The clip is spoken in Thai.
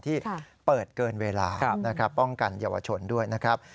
ที่เปิดเกินเวลานะครับป้องกันเยาวชนด้วยนะครับ